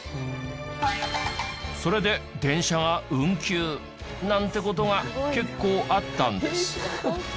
それで電車が運休なんて事が結構あったんです。